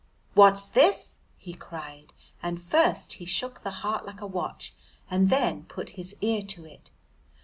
"What's this?" he cried, and first he shook the heart like a watch, and then put his ear to it.